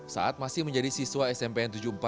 saat masih menjadi siswa smpn tujuh puluh empat